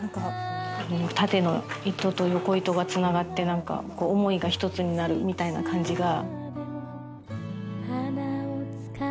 縦の糸と横糸がつながって思いが１つになるみたいな感じが。